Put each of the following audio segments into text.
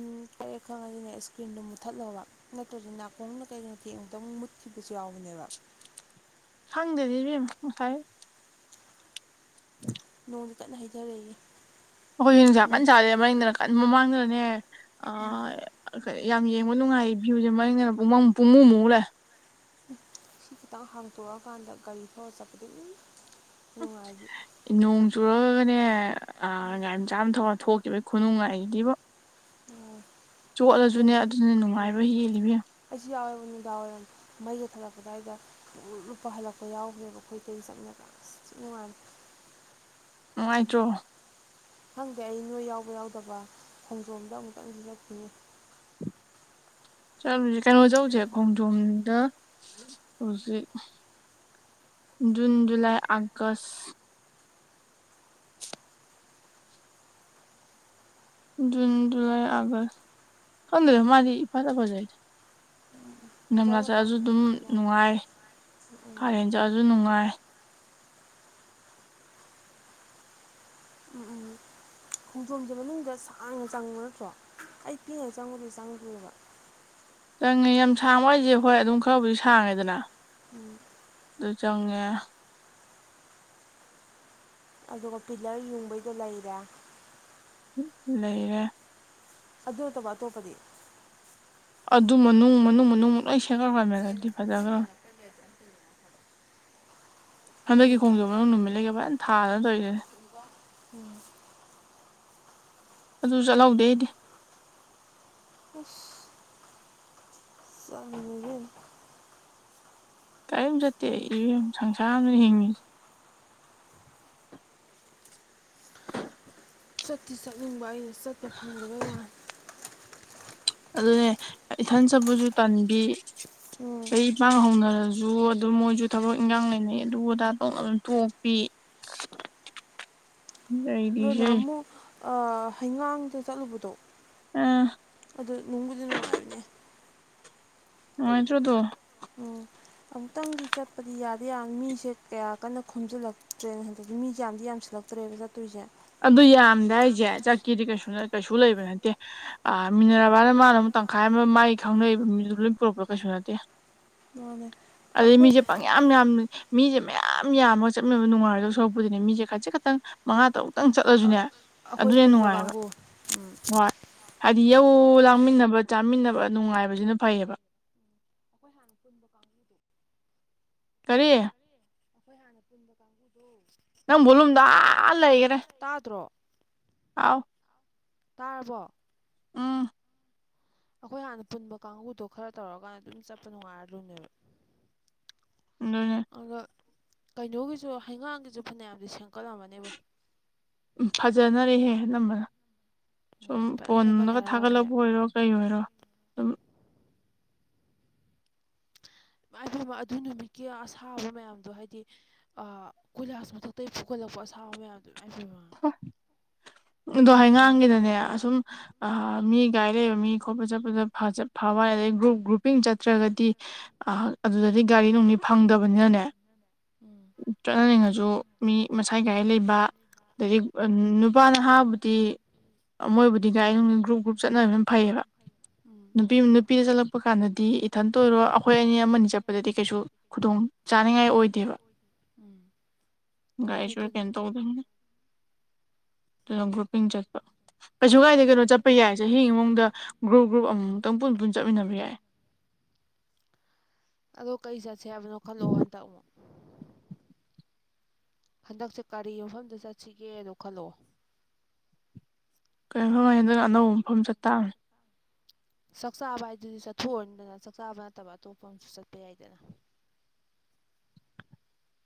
ꯎꯝ ꯊꯛꯑꯦ ꯈꯪꯉꯅꯤꯅꯦ ꯏꯁꯀ꯭ꯔꯤꯟꯗꯣ ꯃꯨꯠꯊꯠꯂꫭꯕ ꯅꯠꯇ꯭ꯔꯁꯨ ꯅꯥꯀꯣꯡꯅ ꯀꯩꯅ ꯊꯦꯡꯕꯗꯃꯨꯛ ꯑꯃꯨꯛ ꯃꯨꯠꯈꯤꯕꯁꯨ ꯌꯥꯎꯕꯅꯦꯕ ꯐꯪꯗꯦꯗ ꯏꯕꯦꯝ ꯉꯁꯥꯏ [unintelligible] ꯅꯣꯡꯁꯨ ꯀꯟꯅ ꯍꯩꯊꯔꯛꯏꯅꯦ ꯑꯩꯈꯣꯏꯗꯤ ꯅꯨꯡꯁꯥ ꯀꯟ ꯁꯥꯔꯤ ꯃꯔꯅꯤꯡꯗꯅ ꯀꯟ ꯃꯃꯥꯡꯗꯅꯅꯦ ꯑ ꯌꯥꯝ ꯌꯦꯡꯕ ꯅꯨꯡꯉꯥꯏ ꯚ꯭ꯌꯨꯁꯦ ꯃꯅꯤꯡꯗꯅ ꯄꯨꯡꯃꯝ ꯄꯨꯡꯃꯨ ꯃꯨ ꯂꯥꯛꯑꯦ ꯁꯤ ꯈꯤꯇꯪ ꯍꯥꯡꯇꯣꯔꯑꯀꯥꯟꯗ ꯒꯥꯔꯤ ꯊꯧꯔ ꯆꯠꯄꯗꯤ ꯎꯝ ꯅꯨꯡꯉꯥꯏꯗꯤ ꯎꯝ ꯅꯣꯡ ꯆꯨꯔꯒꯒꯅꯦ ꯑ ꯒꯥꯏꯃ ꯆꯥꯝ ꯊꯧꯅ ꯊꯣꯛꯈꯤꯕ ꯈꯨꯅꯨꯡꯉꯥꯏꯒꯤꯕꯨ ꯎꯝ ꯆꯣꯠꯂꯁꯨꯅꯦ ꯑꯗꯨꯅ ꯅꯨꯡꯉꯥꯏꯔꯣꯏ ꯍꯦꯜꯂꯤ ꯏꯕꯦꯝ ꯑꯩꯖꯨ ꯌꯥꯎꯋꯦꯕ ꯅꯤꯗꯥꯡꯋꯥꯏꯔꯝ ꯃꯩꯒ ꯊꯥꯜꯂꯛꯄ ꯗꯥꯏꯗ ꯄꯨꯡꯂꯨꯞ ꯂꯨꯞꯄ ꯍꯜꯂꯛꯄ ꯌꯥꯎꯈꯒ꯭ꯔꯦꯕ ꯑꯩꯈꯣꯏ ꯏꯇꯩ ꯆꯠꯃꯤꯟꯅꯕꯗ ꯑꯁ ꯊꯤ ꯅꯨꯉꯥꯏꯃ ꯅꯨꯉꯥꯏꯇꯔꯣ ꯈꯪꯗꯦ ꯑꯩ ꯅꯣꯏ ꯌꯥꯎꯕ ꯌꯥꯎꯗꯕ ꯈꯣꯡꯖꯣꯝꯗ ꯑꯃꯨꯛꯇꯪꯗꯤ ꯆꯠꯈꯤꯅꯤ ꯆꯠꯂꯨꯁꯦ ꯀꯩꯅꯣ ꯆꯧꯁꯦ ꯈꯣꯡꯖꯣꯝꯗ ꯍꯧꯖꯤꯛ June July August June July August ꯈꯪꯗꯦꯗ ꯃꯥꯗꯤ ꯏꯐꯥꯗ ꯐꯥꯖꯩꯗ ꯐꯖꯕ ꯏꯪꯗꯝꯗꯥ ꯃꯇꯝ ꯆꯠꯂꯁꯨ ꯑꯗꯨꯝ ꯀꯩꯅꯣ ꯅꯨꯡꯉꯥꯏ ꯎꯝ ꯀꯥꯂꯦꯟ ꯆꯠꯂꯖꯨ ꯅꯨꯡꯉꯥꯏ ꯎꯝ ꯎꯝ ꯈꯣꯡꯖꯣꯝꯁꯦ ꯃꯅꯨꯡꯗ ꯁꯥꯡꯅ ꯆꯪꯕ ꯅꯠꯇ꯭ꯔꯣ ꯑꯩ ꯄꯤꯉꯩ ꯆꯪꯕꯗꯩ ꯆꯪꯗꯔꯤꯕ ꯆꯪꯉꯦ ꯌꯥꯝ ꯁꯥꯡꯕ ꯍꯥꯏꯏꯁꯦ ꯍꯣꯏ ꯑꯗꯨꯝ ꯈꯔꯕꯨꯗꯤ ꯁꯥꯡꯉꯦꯗꯅ ꯎꯝ ꯑꯗꯨ ꯆꯪꯉꯦ ꯑꯗꯨꯒ ꯄꯤꯂꯔ ꯌꯨꯡꯕꯩꯗꯣ ꯂꯩꯔꯦ ꯂꯩꯔꯦ ꯑꯗꯨꯅꯠꯇꯕ ꯑꯇꯣꯞꯄꯗꯤ ꯑꯗꯨ ꯃꯅꯨꯡ ꯃꯅꯨꯡ ꯃꯅꯨꯡ ꯂꯣꯏ ꯁꯦꯒꯠꯈꯔꯕꯅꯦ ꯌꯦꯟꯅ ꯍꯟꯗꯛꯇꯤ ꯐꯖꯒꯔꯝꯅꯦ [unintelligible] ꯍꯟꯗꯛꯀꯤ ꯈꯣꯡꯖꯣ ꯃꯅꯨꯡ ꯅꯨꯃꯤꯠ ꯂꯩꯒ ꯐꯖ ꯊꯥꯗꯅ ꯇꯧꯏꯗꯨꯅꯤ ꯎꯝ ꯑꯗꯨꯁꯨ ꯆꯠꯂꯧꯗꯦ ꯑꯩꯗꯤ ꯑꯁ ꯆꯝꯃꯤꯅꯤ ꯏꯕꯦꯝꯃ ꯀꯔꯤꯝ ꯆꯠꯇꯦ ꯑꯩ ꯏꯕꯤꯝ ꯁꯪꯁꯥꯔ ꯑꯃꯗꯅꯦ ꯍꯤꯡꯉꯤꯖꯦ ꯆꯠꯇꯤ ꯆꯠꯅꯤꯡꯕ ꯑꯩꯅ ꯆꯠꯄ ꯐꯪꯗꯕꯩ ꯋꯥꯥꯅꯤ ꯑꯗꯨꯅꯦ ꯏꯊꯟ ꯆꯠꯄꯁꯨ ꯇꯟꯕꯤ ꯎꯝ ꯑꯩ ꯏ ꯄꯥꯡ ꯍꯧꯅꯔꯁꯨ ꯑꯗꯨꯝ ꯃꯣꯏꯁꯨ ꯊꯕꯛ ꯏꯟꯈꯥꯡ ꯂꯩꯅꯩ ꯑꯗꯨ ꯑꯗꯥ ꯇꯧꯅꯔ ꯑꯗꯨꯝ ꯇꯣꯛꯄꯤ [inaudible] ꯅꯣꯏ ꯂꯩꯔꯤꯁꯦ ꯅꯍꯥꯟꯃꯨꯛ ꯑꯥ ꯍꯩꯉꯥꯡꯗ ꯆꯠꯂꯨꯕꯗꯣ ꯑ ꯑꯗꯨ ꯅꯨꯡꯕꯨꯗꯤ ꯅꯨꯡꯉꯥꯏꯕꯅꯦ ꯅꯨꯉꯥꯏꯇ꯭ꯔꯣꯗꯣ ꯎꯝ ꯑꯃꯨꯛꯇꯪꯗꯤ ꯆꯠꯄꯗꯤ ꯌꯥꯗꯤ ꯌꯥꯕꯅꯦ ꯃꯤꯁꯦ ꯀꯌꯥ ꯀꯟꯅ ꯈꯣꯝꯖꯤꯜꯂꯛꯇ꯭ꯔꯦ ꯑꯗꯒꯤ ꯃꯤꯁꯦ ꯌꯥꯝꯗꯤ ꯌꯥꯝꯁꯤꯜꯂꯛ [inaudible] ꯆꯠꯇꯨꯏꯖꯦ ꯑꯗꯨ ꯌꯥꯝꯗꯦ ꯍꯥꯏꯁꯦ ꯆꯠꯀꯦꯗꯤ ꯀꯩꯁꯨ ꯀꯩꯁꯨ ꯂꯩꯕ ꯅꯠꯇꯦ ꯑ ꯃꯤꯟꯅꯔꯕꯅ ꯃꯥꯅ ꯑꯃꯨꯛ ꯇꯪꯈꯥꯏ ꯑꯃ ꯃꯥꯥꯏ ꯈꯪꯅꯕ ꯃꯤꯗꯨ ꯂꯣꯏ ꯄꯨꯔꯛꯄ꯭ꯔ ꯀꯩꯁꯨ ꯅꯠꯇꯦ ꯃꯥꯅꯦ ꯑꯗꯨ ꯑꯩꯈꯣꯏ ꯃꯤꯖꯦ ꯄꯪꯌꯥ ꯌꯥꯝꯌꯥꯝ ꯌꯥꯝ ꯃꯤꯁꯦ ꯃꯌꯥꯝ ꯌꯥꯝꯃꯒ ꯆꯠꯃꯤꯟꯅꯕ ꯅꯨꯡꯉꯥꯏꯔꯣꯗꯣꯏ ꯁꯔꯨꯛꯄꯨꯗꯤꯅꯦ ꯃꯤꯁꯦ ꯈꯖꯤꯠ ꯈꯛꯇꯪ ꯃꯉꯥ ꯇꯔꯨꯛ ꯈꯤꯇꯪ ꯆꯠꯂꯁꯨꯅꯦ ꯑꯩꯈꯣꯏ ꯑꯗꯨꯅ ꯍꯦꯟꯅ ꯄꯨꯟꯕ ꯅꯨꯡꯉꯥꯏꯌꯦꯕ ꯀꯥꯡꯕꯨ ꯎꯝ ꯍꯣꯏ ꯍꯥꯏꯗꯤ ꯌꯧ ꯂꯥꯡꯃꯤꯟꯅꯕ ꯆꯥꯃꯤꯟꯅꯕ ꯅꯨꯡꯉꯥꯏꯕꯁꯤꯅ ꯐꯩꯌꯦꯕ ꯑꯩꯈꯣꯏ ꯄꯨꯟꯕ ꯀꯥꯡꯕꯨꯗꯣ ꯀꯔꯤ ꯑꯩꯈꯣꯏ ꯍꯥꯟꯅ ꯄꯨꯟꯕ ꯀꯥꯡꯕꯨꯗꯣ ꯅꯪ ꯚꯣꯂꯨꯝꯗꯣ ꯑꯥ ꯂꯩꯒꯔꯦ ꯇꯥꯗ꯭ꯔꯣ ꯑꯥꯎ ꯇꯥꯔꯕꯣ ꯎꯝ ꯑꯩꯈꯣꯏ ꯍꯥꯟꯅ ꯄꯨꯟꯕ ꯀꯥꯡꯕꯨꯗꯣ ꯈꯔ ꯇꯧꯔꯀꯥꯟꯗ ꯑꯗꯨꯝ ꯆꯠꯄ ꯅꯨꯡꯉꯥꯏꯔꯗꯣꯏꯅꯦꯕ ꯑꯗꯨꯨꯅꯦ ꯑꯗꯣ ꯀꯩꯅꯣꯒꯤꯁꯨ ꯍꯩꯉꯥꯡꯒꯤꯁꯨ ꯐꯅꯌꯥꯝꯗꯤ ꯁꯦꯝꯀꯠꯂꯝꯃꯅꯦꯕꯣ ꯎꯝ ꯐꯖꯅꯔꯦꯍꯦ ꯑꯅꯝꯕꯅ ꯁꯨꯝ ꯎꯝ ꯐꯖꯅ ꯐꯣꯟꯗꯒ ꯁꯦꯝꯒꯠꯅꯔꯝꯃꯅꯦ ꯊꯥꯒꯠꯂꯛꯄ ꯑꯣꯏꯔꯣ ꯀꯩ ꯑꯣꯏꯔꯣ ꯑꯗꯨꯝ ꯏꯃꯥꯏ ꯄꯦꯝꯃꯥ ꯑꯗꯨ ꯅꯨꯃꯤꯠꯀꯤ ꯑꯁꯥꯕ ꯃꯌꯥꯝꯗꯣ ꯍꯥꯏꯗꯤ ꯑꯥ ꯀꯣꯏꯂꯥꯁ ꯃꯊꯛꯇꯩ ꯐꯨꯒꯠꯂꯛꯄ ꯑꯁꯥꯕ ꯃꯌꯥꯝꯗꯣ ꯏꯃꯥꯏꯄꯦꯝꯃ ꯍ ꯑꯗꯣ ꯍꯧ ꯍꯩꯉꯥꯡꯒꯤꯗꯅꯦ ꯑꯁꯨꯝ ꯃꯤ ꯒꯔꯤ ꯂꯩꯕ ꯃꯤ ꯈꯣꯠꯄ ꯆꯠꯄꯗ ꯐꯖꯥ ꯑꯗꯩ ꯒ꯭ꯔꯨꯞ ꯒ꯭ꯔꯨꯄꯤꯡ ꯆꯠꯇ꯭ꯔꯒꯗꯤ ꯑ ꯑꯗꯨꯗꯗꯤ ꯒꯥꯔꯤ ꯅꯨꯡꯂꯤ ꯐꯪꯗꯕꯅꯤꯅꯅꯦ ꯎꯝ ꯆꯠꯅꯅꯤꯡꯉꯁꯨ ꯃꯤ ꯃꯁꯥꯥꯏ ꯒꯔꯤ ꯂꯩꯕ ꯑꯗꯒꯤ ꯅꯨꯄꯥ ꯅꯍꯥꯕꯨꯗꯤ ꯃꯣꯏꯕꯨꯗꯤ ꯒꯥꯏꯔꯤ ꯅꯨꯡꯂꯤ ꯒ꯭ꯔꯨꯞ ꯒ꯭ꯔꯨꯞ ꯆꯠꯅꯒꯤꯝꯅ ꯐꯩꯌꯦꯕ ꯎꯝ ꯅꯨꯄꯤ ꯅꯨꯄꯤꯗ ꯆꯠꯂꯛꯄ ꯀꯥꯟꯗꯗꯤ ꯏꯊꯟꯇ ꯑꯣꯏꯔꯣ ꯑꯩꯈꯣꯏ ꯑꯅꯤ ꯑꯃꯅꯤ ꯆꯠꯄꯗꯗꯤ ꯀꯩꯁꯨ ꯈꯨꯗꯣꯡ ꯆꯥꯅꯤꯡꯉꯥꯏ ꯑꯣꯏꯗꯦꯕ ꯎꯝ ꯌꯥꯗꯦ ꯒꯔꯤ ꯑꯗꯨꯗꯤ ꯀꯩꯅꯣ ꯇꯧꯗꯕꯅꯦ ꯄꯨꯂꯞ ꯒꯔꯨꯞꯄꯤꯡ ꯆꯠꯄ ꯀꯩꯁꯨ ꯀꯥꯏꯗ ꯀꯩꯅꯣ ꯆꯠꯄ ꯌꯥꯏ ꯆꯍꯤ ꯑꯃ ꯃꯅꯨꯡꯗ ꯒ꯭ꯔꯨꯞ ꯒ꯭ꯔꯨꯞ ꯑꯃꯨꯛꯇꯪ ꯄꯨꯟ ꯄꯨꯟ ꯆꯠꯃꯤꯟꯅꯕ ꯌꯥꯏ ꯑꯗꯣ ꯀꯩ ꯆꯠꯁꯦ ꯍꯥꯏꯕꯅꯣ ꯈꯜꯂꯛꯑꯣ ꯍꯟꯇꯛ ꯑꯃꯨꯛ ꯍꯟꯗꯛꯁꯦ ꯀꯔꯤ ꯃꯐꯝꯗ ꯆꯠꯁꯤꯒꯦꯗꯣ ꯈꯜꯂꯛꯑꯣ ꯀꯔꯤꯝ ꯈꯜꯂꯣꯏ ꯑꯅꯧꯕ ꯃꯐꯝ ꯆꯠ ꯇꯥꯔꯦ ꯆꯥꯛ ꯆꯥꯕ ꯍꯥꯏꯗꯨꯗꯤ ꯆꯠꯊꯣꯛꯑꯅꯤꯗꯅ ꯆꯥꯛ ꯆꯥꯕ ꯅꯠꯇꯕ ꯑꯇꯣꯞꯄ ꯑꯃꯁꯨ ꯆꯠꯄ ꯌꯥꯏꯗꯅ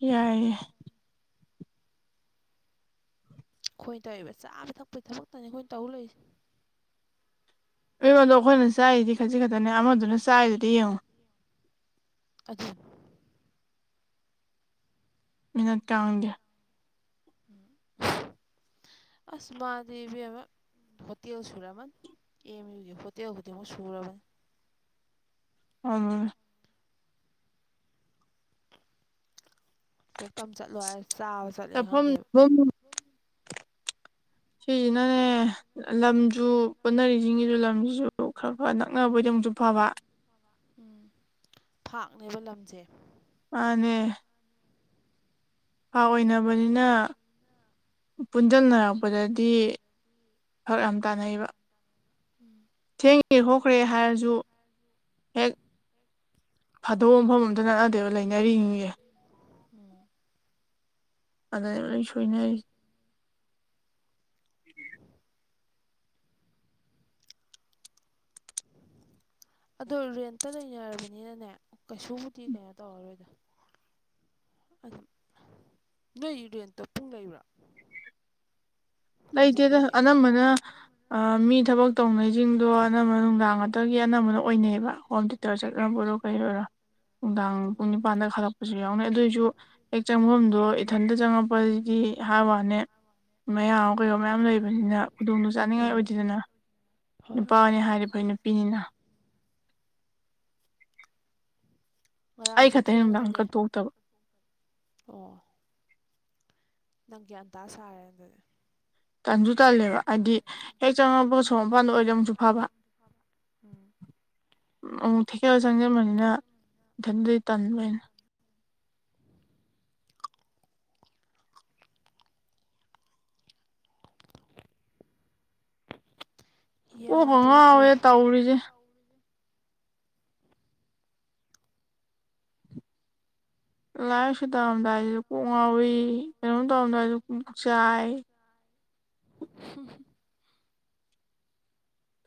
ꯌꯥꯏꯌꯦ ꯈꯣꯏꯅ ꯇꯧꯔꯤꯕ ꯆꯥꯕ ꯊꯛꯄꯩ ꯊꯕꯛꯇꯅꯤ ꯑꯩꯈꯣꯏꯅ ꯇꯧ ꯂꯩꯏꯁꯦ ꯑꯩꯉꯣꯟꯗꯣ ꯑꯩꯈꯣꯏꯅ ꯆꯥꯏꯔꯤꯗꯤ ꯈꯖꯤꯛ ꯈꯛꯇꯅꯦ ꯑꯃꯗꯨꯅ ꯆꯥꯏꯔꯤꯗꯨꯗꯤ ꯌꯦꯡꯉꯣ ꯑꯗꯨꯅꯦ ꯃꯤꯅꯠ ꯀꯥꯡꯗꯦ [unintelligible] ꯑꯁ ꯃꯥꯗꯤ ꯢꯕꯤꯝꯃ ꯍꯣꯇꯦꯜ ꯁꯨꯔꯝꯃꯥꯅꯤ ꯑꯦꯝ ꯌꯨꯒꯤ ꯍꯣꯠꯇꯦꯛ ꯍꯧꯗꯤꯡꯃꯛ ꯁꯨꯔꯕꯅꯤ ꯑꯗꯨꯅꯦ ꯇꯦꯛꯇꯝ ꯆꯠꯂꯣ ꯍꯥꯏ ꯆꯥꯕ ꯆꯠꯂꯦ ꯈꯪꯗꯦꯕ ꯎꯝ ꯁꯤꯁꯤꯅꯅꯦ ꯂꯝꯁꯨ ꯄꯨꯟꯅꯔꯤꯁꯤꯡꯁꯤꯁꯨ ꯂꯝꯁꯨ ꯈꯔ ꯈꯔꯥ ꯅꯛꯅꯕ ꯑꯣꯏꯗꯤ ꯑꯃꯨꯛꯁꯨ ꯐꯕ ꯎꯝ ꯐꯥꯛꯅꯦꯕ ꯂꯝꯁꯦ ꯃꯥꯅꯦ ꯐꯥꯛ ꯑꯣꯏꯅꯕꯅꯤꯅ ꯄꯨꯟꯖꯟꯅꯔꯛꯄꯗꯗꯤ ꯐꯔꯛ ꯌꯥꯝ ꯇꯥꯟꯅꯩꯕ ꯎꯝ ꯊꯦꯡꯉꯦ ꯈꯣꯠꯈ꯭ꯔꯦ ꯍꯥꯏꯔꯁꯨ ꯍꯦꯛ ꯐꯥꯗꯧꯕ ꯃꯐꯝ ꯑꯝꯇ ꯅꯠꯅꯗꯦꯕ ꯂꯩꯅꯔꯤ ꯁꯤꯡ ꯁꯦ ꯎꯝ ꯑꯗꯅꯦ ꯂꯣꯢ ꯁꯣꯏꯅꯩꯁꯦ [unintelligible] ꯑꯗꯣ ꯔꯦꯟꯇ ꯂꯩꯅꯔꯕꯅꯤꯅꯅꯦ ꯀꯩꯁꯨꯕꯨꯗꯤ ꯀꯩꯅꯣ ꯇꯧꯔꯔꯣꯏꯗ ꯅꯣꯏ ꯔꯦꯟꯇꯣ ꯄꯨꯡ ꯂꯩꯕ꯭ꯔꯣ ꯂꯩꯇꯦꯗ ꯍꯟꯖꯤꯟꯕꯒꯤ ꯑꯅꯝꯕꯅ ꯃꯤ ꯊꯕꯛ ꯇꯧꯅꯩꯁꯤꯡꯗꯣ ꯑꯅꯝꯕ ꯅꯨꯡꯗꯥꯡ ꯉꯥꯛꯇꯒꯤ ꯑꯅꯝꯕꯅ ꯑꯣꯏꯅꯩꯌꯦꯕ ꯍꯣꯝ ꯆ ꯆꯠ꯭ꯅꯕ ꯎꯝ ꯑꯣꯢꯔꯣ ꯀꯩ ꯑꯣꯢꯔꯣ ꯅꯨꯡꯗꯥꯡ ꯄꯨꯡ ꯎꯝ ꯅꯤꯄꯥꯟꯗ ꯈꯜꯂꯛꯄꯁꯨ ꯌꯥꯎꯅꯩ ꯑꯗꯨꯑꯣꯏꯁꯨ ꯍꯦꯛ ꯆꯪꯐꯝꯗꯣ ꯏꯊꯟꯇ ꯆꯪꯉꯛꯄ ꯗꯤ ꯍꯥꯎꯋꯥꯅꯦ ꯃꯌꯥꯝ ꯀꯣꯏꯕ ꯃꯌꯥꯝ ꯂꯩꯕꯅꯤꯅ ꯈꯨꯗꯣꯡꯗꯣꯡ ꯆꯥꯅꯤꯡꯉꯥꯏ ꯎꯝ ꯑꯣꯏꯗꯗꯅ ꯍꯣꯏ ꯅꯨꯄꯥꯅꯤ ꯍꯥꯏꯔꯤꯕ ꯅꯨꯄꯤꯅꯤꯅ ꯑꯩ ꯉꯔꯥꯡꯁꯨ ꯈꯛꯇ ꯅꯨꯡꯗꯥꯡ ꯊꯦꯡꯍꯜꯂꯦ ꯀꯠꯇꯣꯛꯇꯕ ꯑꯣ ꯅꯪ ꯒꯌꯥꯟꯇꯥ ꯁꯥꯔꯦ ꯑꯗꯨꯗꯤ ꯇꯟꯁꯨ ꯇꯜꯂꯦꯕ ꯍꯥꯏꯗꯤ ꯍꯦꯛ ꯆꯪꯉꯄꯠ ꯁꯣꯔ ꯃꯄꯥꯟꯗ ꯑꯣꯏꯗꯤ ꯑꯃꯨꯛꯁꯨ ꯐꯕ ꯎꯝ ꯎ ꯊꯦꯛꯖꯥꯜꯂ ꯆꯪꯁꯤꯟꯕꯅꯤꯅ ꯢꯊꯥꯟꯇ ꯇꯥꯟꯕꯦꯟ ꯀꯣꯛꯀꯥ ꯌꯥꯗꯦꯗ ꯇꯧꯔꯤꯁꯦ ꯉꯧꯋꯦ ꯇꯧꯔꯤꯁꯦ ꯂꯥꯏ ꯂꯁꯨ ꯇꯧꯔꯝꯗꯥꯏꯁꯤꯁꯨ ꯀꯣꯛ ꯉꯥꯎꯏꯤ ꯀꯩꯅꯣꯝ ꯇꯧꯔꯝꯗꯥꯏꯁꯨ ꯀꯣꯛ ꯆꯥꯏ [unintelligible]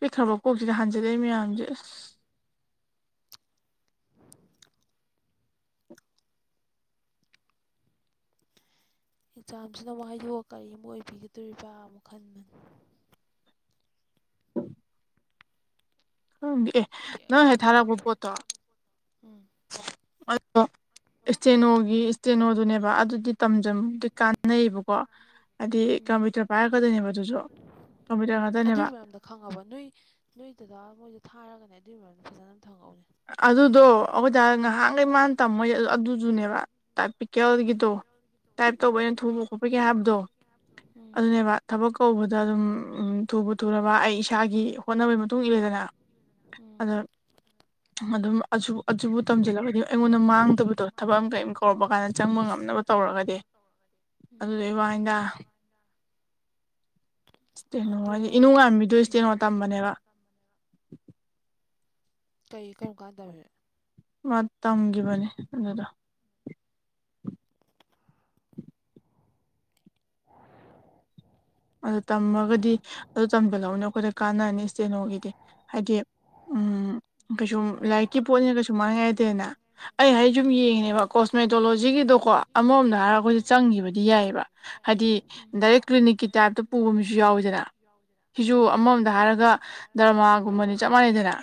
ꯄꯤꯛꯈ꯭ꯔꯕ ꯀꯣꯛꯁꯤꯗ ꯍꯥꯟꯖꯗꯩ ꯃꯌꯥꯝꯁꯦ ꯑꯁ ꯑꯦꯛꯖꯥꯝꯁꯤꯅ ꯑꯃꯨꯛ ꯍꯥꯏꯗꯣꯛꯑꯒ ꯀꯔꯤ ꯑꯃ ꯑꯣꯏꯕꯤꯒꯗꯣꯔꯤꯕ ꯑꯃꯨꯛ ꯈꯟꯕꯅꯤ ꯅꯪ ꯑꯦ ꯁꯤꯒꯤ ꯅꯪ ꯍꯦꯛ ꯊꯥꯔꯛꯄ ꯈꯟꯕ ꯄꯣꯠꯇꯣ ꯎꯝ ꯑꯣ ꯏꯁꯇꯦꯅꯣꯒꯤ ꯏꯁꯇꯦꯅꯣꯗꯨꯅꯦꯕ ꯑꯗꯨꯗꯤ ꯇꯝꯖꯗꯤ ꯀꯥꯟꯅꯩꯌꯦꯕꯀꯣ ꯍꯥꯏꯗꯤ ꯎꯝ ꯀꯝꯄ꯭ꯌꯨꯇꯔ ꯄꯥꯏꯔꯛꯀꯗꯣꯏꯅꯦꯕ ꯑꯗꯨꯁꯨ ꯀꯝꯄ꯭ꯌꯨꯇꯔ ꯎꯝ ꯉꯥꯛꯇꯅꯦꯕ ꯑꯗꯨꯒꯤ ꯃꯔꯝꯗ ꯈꯪꯉꯕ ꯅꯣꯏ ꯅꯣꯏꯗꯨꯗ ꯃꯣꯏꯗ ꯊꯥꯔꯒꯅꯦ ꯑꯗꯨꯏꯒꯤ ꯃꯔꯝꯗ ꯐꯖꯅ ꯑꯗꯨꯝ ꯈꯪꯍꯧꯅꯦ ꯑꯗꯨꯗꯣ ꯑꯩꯈꯣꯏꯗ ꯉꯍꯥꯟꯈꯩ ꯃꯥꯅ ꯉꯍꯥꯛ ꯇꯝꯃꯣꯏ ꯑꯗꯨꯗꯨꯅꯦꯕꯛ ꯎꯝ ꯀꯦꯜꯜꯒꯤꯗꯣ ꯇꯥꯏꯞ ꯇꯧꯕ ꯎꯝ ꯑꯩꯅ ꯊꯨꯕ ꯈꯣꯠꯄꯒꯤ ꯍꯥꯏꯕꯗꯣ ꯎꯝ ꯑꯗꯨꯅꯦꯕ ꯊꯕꯛ ꯀꯧꯕꯗ ꯑꯗꯨꯝ ꯊꯨꯕ ꯊꯨꯔꯕ ꯑꯩ ꯏꯁꯥꯒꯤ ꯍꯣꯠꯅꯕꯒꯤ ꯃꯇꯨꯡ ꯏꯜꯂꯦꯗꯅ ꯎꯝ ꯑꯗ ꯑꯗꯨꯝ ꯑꯗꯨꯕꯨ ꯇꯝꯁꯤꯜꯂꯒꯗꯤ ꯑꯩꯉꯣꯟꯗ ꯃꯥꯡꯗꯕꯗꯣ ꯊꯕꯛ ꯑꯃ ꯀꯔꯤꯝ ꯀꯧꯔꯛꯄ ꯎꯝ ꯎꯝ ꯀꯥꯟꯗ ꯆꯪꯕ ꯉꯝꯅꯕ ꯇꯧꯔꯒꯗꯤ ꯑꯗꯨꯏ ꯋꯥꯅꯤꯗ ꯏꯁꯇꯩꯅꯣ ꯑꯗꯣ ꯍꯥꯏꯗꯤ ꯏꯅꯨꯉꯥꯟꯕꯤꯗꯣ ꯏꯁ ꯀꯩꯅꯣ ꯇꯝꯕꯅꯦꯕ ꯀꯩ ꯀꯔꯝ ꯀꯥꯟꯗ ꯇꯝꯈꯤꯕꯅꯦ ꯑꯗꯨꯗ [inaudible] ꯑꯗꯨ ꯇꯝꯃꯒꯗꯤ ꯑꯗꯨ ꯇꯝꯕꯤꯜꯍꯛꯎꯅꯤ ꯑꯩꯈꯣꯏꯗ ꯀꯥꯟꯅꯔꯅꯤ ꯏꯁꯇꯦꯅꯣꯒꯤꯗꯤ ꯍꯥꯏꯗꯤ ꯎꯝ ꯀꯩꯁꯨꯨꯝ ꯂꯥꯏꯔꯤꯛꯀꯤ ꯄꯣꯠꯅꯤꯅ ꯀꯩꯁꯨ ꯃꯥꯡꯉꯥꯏꯗꯦꯅ ꯑꯩ ꯑꯩꯖꯨꯝ ꯎꯝ ꯌꯦꯡꯉꯦꯕ ꯀꯣꯁꯃꯦꯇꯣꯂꯣꯖꯤ ꯍꯧꯖꯤꯛꯀꯤꯗꯣꯀꯣ ꯑꯃꯔꯣꯝꯗ ꯍꯥꯏꯔꯒ ꯑꯩꯈꯣꯏꯁ ꯆꯪꯈꯤꯕꯗꯤ ꯌꯥꯏꯑꯕ ꯍꯥꯏꯗꯤ ꯗꯥꯏꯔꯦꯛ ꯀ꯭ꯂꯤꯅꯤꯛꯀꯤ ꯑꯇ ꯄꯨꯒꯨꯝꯕꯁꯨ ꯌꯥꯎꯋꯤꯗꯅ ꯁꯤꯁꯨ ꯎꯝ ꯑꯃꯃꯝꯗ ꯍꯥꯏꯔꯒ ꯗꯔꯃꯥꯒꯨꯝꯕꯅꯤ ꯆꯞ ꯃꯥꯟꯅꯩꯗꯅ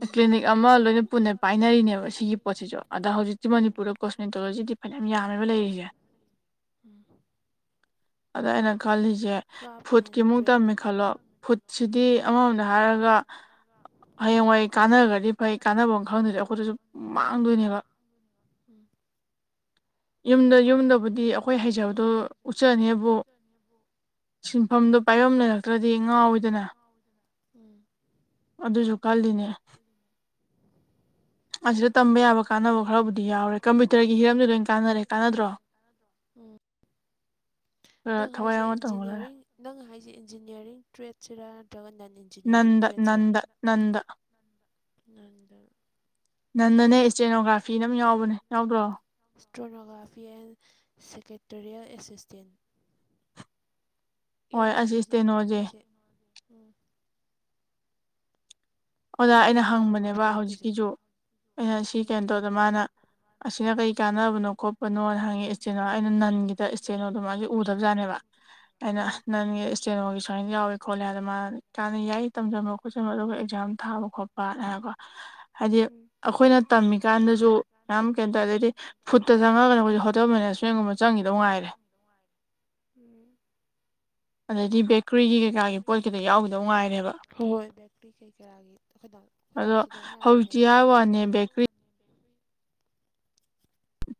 ꯎꯝ ꯀ꯭ꯂꯤꯅꯤꯛ ꯑꯃ ꯂꯣꯏꯅ ꯄꯨꯟꯅ ꯄꯥꯏꯅꯔꯤꯅꯦꯕ ꯁꯤꯒꯤ ꯄꯣꯠꯁꯤꯁꯨ ꯑꯗ ꯍꯧꯖꯤꯛꯇꯤ ꯃꯅꯤꯄꯨꯔꯗ ꯀꯣꯁꯃꯦꯟꯇꯣ ꯁꯤꯖꯤꯗꯤ ꯐꯅ ꯌꯥꯝꯃꯦꯕ ꯂꯩꯔꯤꯁꯦ ꯎꯝ ꯑꯗꯥꯏꯅ ꯈꯜꯂꯤꯁꯦ ꯀ꯭ꯔꯥꯞ ꯃꯦꯟ ꯐꯨꯠꯀꯤꯃꯨꯛ ꯇꯝꯃꯦ ꯇ꯭ꯔꯦꯅꯤꯡ ꯈꯜꯂꯣ ꯐꯨꯠꯁꯤꯗꯤ ꯎꯝ ꯑꯃꯃꯝꯗ ꯍꯥꯏꯔꯒ ꯍꯌꯦꯡꯋꯥꯏꯩ ꯀꯥꯟꯅꯔꯒꯗꯤ ꯐꯩ ꯀꯥꯟꯅꯕ ꯑꯃ ꯈꯪꯗꯗꯤ ꯑꯩꯈꯣꯏꯗꯁꯨ ꯃꯥꯡꯗꯣꯏꯅꯦꯕ ꯎꯝ ꯌꯨꯝꯗ ꯌꯨꯝꯗꯕꯨꯗꯤ ꯑꯩꯈꯣꯏ ꯍꯩꯖꯕꯗꯣ ꯎꯠꯆꯅꯦꯕꯨ ꯁꯤꯟꯐꯝꯗꯣ ꯄꯥꯏꯌꯝꯅꯔꯛꯇ꯭ꯔꯗꯤ ꯉꯥꯎꯋꯤꯗꯅ ꯎꯝ ꯑꯗꯨꯁꯨ ꯀꯜꯂꯤꯅꯦ [inaudible] ꯑꯁꯤꯗ ꯇꯝꯕ ꯌꯥꯕ ꯀꯥꯟꯅꯕ ꯈꯔꯕꯨꯗꯤ ꯌꯥꯎꯔꯦ ꯀꯝꯄ꯭ꯌꯨꯇꯔꯒꯤ ꯍꯤꯔꯝꯗꯤ ꯂꯣꯏ ꯀꯥꯟꯅꯔꯦ ꯀꯥꯟꯅꯗ꯭ꯔꯣ ꯎꯝ ꯈꯔ ꯅꯪ ꯊꯋꯥꯏ ꯍꯥꯏꯁꯦ ꯌꯥꯎꯅ ꯇꯝꯒ ꯂꯣꯏꯔꯦ ꯏꯟꯖꯤꯅꯤꯌꯥꯔꯤꯡ ꯅꯪ ꯍꯥꯏꯁꯦ ꯏꯟꯖꯤꯅꯤꯌꯥꯔꯤꯡ ꯇ꯭ꯔꯦꯠꯁꯤꯔꯥ ꯅꯠꯇ꯭ꯔꯒ ꯅꯟ ꯏꯟ ꯅꯟꯗ ꯅꯟꯗ ꯅꯟꯗ ꯅꯟꯗ ꯅꯪꯟꯅꯅꯦ ꯑꯦꯇ꯭ꯔꯦꯅꯣꯒ꯭ꯔꯥꯐꯤ ꯑꯃ ꯌꯥꯎꯕꯅꯦ ꯌꯥꯎꯗ꯭ꯔꯣ stenography and secretarial assistant [inaudible] and ꯆꯠꯂꯤꯁꯤꯅꯗꯤ ꯏꯁꯇꯦꯅꯣꯁꯦ ꯑꯅꯤꯁꯦ ꯎꯝ ꯑꯣꯖꯥ ꯑꯁꯤ ꯀꯩ ꯑꯩꯅ ꯃꯇꯥꯡꯗꯅꯣ ꯍꯪꯕꯅꯦꯕ ꯇꯝꯃꯛꯇꯣꯏꯁꯦ ꯍꯧꯖꯤꯛꯀꯤꯁꯨ ꯑꯩꯅ ꯁꯤ ꯎꯝ ꯀꯩꯅꯣ ꯇꯧꯗ ꯃꯥꯅ ꯑꯁꯤꯅ ꯀꯔꯤ ꯀꯥꯟꯅꯕꯅꯣ ꯈꯣꯠꯄꯅꯣ ꯍꯪꯉꯤ ꯏꯁꯇꫭ ꯑꯩꯅ ꯅꯟꯒꯤꯗ ꯏꯁꯇꯦꯗꯣ ꯑꯗꯨꯃꯥꯖ‌ꯦ ꯎꯗꯕꯖꯥꯠꯅꯦꯕ ꯑꯩꯅ ꯎꯝ ꯅꯪ ꯏꯁꯇ‌ꯦꯅꯒꯤ ꯁꯨꯃꯥꯏ ꯌꯥꯎꯋꯦ ꯈꯣꯠꯂꯦꯗ ꯃꯥꯅ ꯀꯥꯟꯅ ꯌꯥꯏ ꯇꯝꯟꯕ ꯈꯣꯠꯆꯟꯕ ꯑꯗꯨꯒ ꯑꯦꯛꯖꯥꯝ ꯊꯥꯕ ꯈꯣꯠꯄ ꯍꯥꯏꯀꯣ ꯍꯥꯏꯗꯤ ꯑꯩꯈꯣꯏꯅ ꯇꯝꯃꯤꯀꯥꯟꯗꯁꯨ ꯌꯥꯝ ꯀꯩꯅꯣ ꯇꯧꯋꯤ ꯑꯗꯒꯤ ꯐꯨꯗꯇ ꯆꯪꯉꯒꯅ ꯑꯩꯈꯣꯢꯖ‌ꯦ ꯍꯣꯇꯦꯜ ꯃꯦꯅꯦꯖꯃꯦꯟꯒꯨꯝꯕ ꯆꯪꯒꯤꯗꯧ ꯉꯥꯏꯔꯦ ꯅꯨꯡꯉꯥꯢꯔꯤ ꯎꯝ ꯑꯗꯩꯗꯤ ꯕꯦꯀꯔꯤꯒꯤ ꯀꯩꯀꯥꯒꯤ ꯄꯣꯠ ꯀꯤꯗ ꯌꯥꯎꯒꯤꯗꯧ ꯉꯥꯏꯔꯦꯕ ꯍꯣꯏ ꯍꯣꯏ ꯕꯦꯀꯔꯤ ꯀꯩ ꯀꯔꯥꯒꯤ ꯑꯩꯈꯣꯏ ꯗꯥ ꯑꯩꯈꯣꯏ ꯑꯗꯣ ꯗꯥꯅꯁꯨ ꯑꯗꯨꯃꯥꯏ ꯍꯧꯖꯤꯛꯇꯤ ꯍꯥꯏꯔꯝꯕꯅꯦꯕ ꯍꯥꯏꯕꯩ ꯋꯥꯅꯤ ꯕꯦꯀꯔꯤ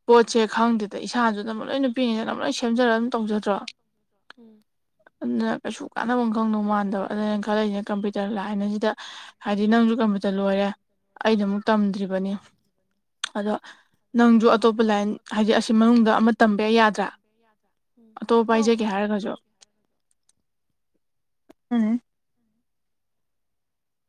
ꯄꯣꯠꯁꯦ ꯈꯪꯗꯦꯗ ꯏꯁꯥꯅꯁꯨ ꯑꯅꯝ ꯂꯣꯏ ꯅꯨꯄꯤꯁꯤꯡꯅ ꯂꯣꯏ ꯁꯦꯝꯖꯔꯒ ꯑꯗꯨꯝ ꯇꯧꯖꯗ꯭ꯔꯣ ꯎꯝ ꯑꯗꯨꯅ ꯀꯩꯁꯨ ꯀꯥꯟꯅꯕꯝ ꯈꯪꯗꯧ ꯃꯥꯟꯗꯕ ꯑꯗꯨꯅ ꯈꯜꯂꯛꯏꯁ‌ꯦ ꯀꯝꯄꯨꯇꯔ ꯇꯔ ꯂꯥꯢꯟ ꯁꯤꯗ ꯍꯥꯏꯗꯤ ꯅꯪꯁꯨ ꯀꯝꯄ꯭ꯌꯨ [unintelligible] ꯇꯔ ꯂꯣꯏꯔꯦ ꯑꯩꯖꯨ ꯑꯃꯨꯛ ꯇꯝꯗ꯭ꯔꯤꯕꯅꯤ ꯑꯗꯣ ꯅꯪꯁꯨ ꯑꯇꯣꯞꯄ ꯂꯥꯏꯟ ꯍꯥꯏꯗꯤ ꯑꯁꯤ ꯃꯅꯨꯡꯗ ꯑꯃ ꯇꯝꯕ ꯌꯥ ꯌꯥꯗ꯭ꯔꯥ ꯎꯝ ꯑꯇꯣꯞꯄ ꯀꯣ ꯄꯥꯏꯖꯒꯦ ꯍꯥꯏꯔꯒꯁꯨ ꯎꯝ